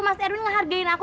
mas erwin ngehargain aku